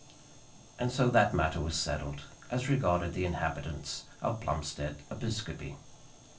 And so that matter was settled, as regarded the inhabitants of Plumstead Episcopi.